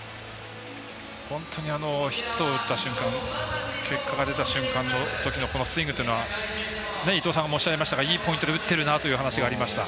本当に、ヒットを打った瞬間結果が出た瞬間のときのこのスイングというのは伊東さんもおっしゃいましたがいいポイントで打っているなというお話がありました。